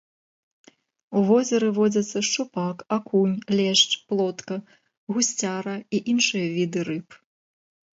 У возеры водзяцца шчупак, акунь, лешч, плотка, гусцяра і іншыя віды рыб.